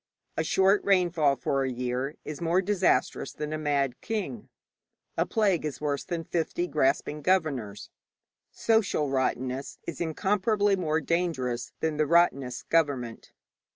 A short rainfall for a year is more disastrous than a mad king; a plague is worse than fifty grasping governors; social rottenness is incomparably more dangerous than the rottenest government.